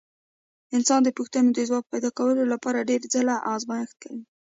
انسانان د پوښتنو د ځواب پیدا کولو لپاره ډېر ځله ازمېښت کوي.